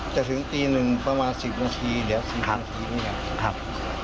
ถึงตีหนึ่งประมาณ๑๐นาทีเดี๋ยวถึงนาทีเนี่ยครับ